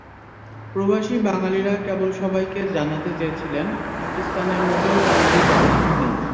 প্রবাসী বাঙালিরা কেবল সবাইকে জানাতে চেয়েছিলেন, পাকিস্তানে মোটেও স্বাভাবিক অবস্থা নেই।